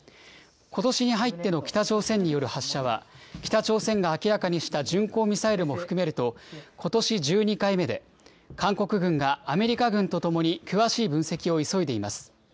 ことしに入っての北朝鮮による発射は、北朝鮮が明らかにした巡航ミサイルも含めると、ことし１２回目で、韓国軍がアメリカ軍とともに詳しい分析を急いでいます。